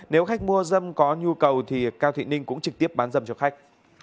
nếu khách mua dâm có nhu cầu thì cao thị ninh cũng trực tiếp bán dâm cho khách